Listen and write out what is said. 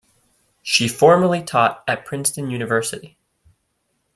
She formerly taught at Princeton University.